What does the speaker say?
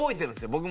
僕も。